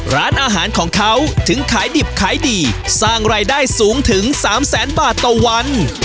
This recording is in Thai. ร้านอาหารของเขาถึงขายดิบขายดีสร้างรายได้สูงถึง๓แสนบาทต่อวัน